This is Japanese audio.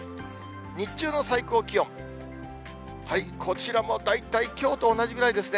日中の最高気温、こちらも大体きょうと同じぐらいですね。